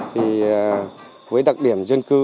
thì với đặc điểm dân cư